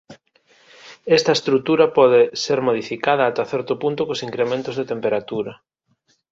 Esta estrutura pode ser modificada ata certo punto cos incrementos de temperatura.